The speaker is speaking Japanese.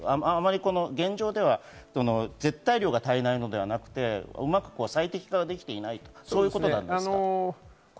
現状では絶対量が足りないのではなくて最適化ができていないということなんですか？